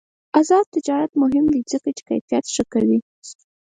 آزاد تجارت مهم دی ځکه چې کیفیت ښه کوي.